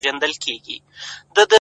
اكثره وخت بيا پر دا بل مخ واوړي;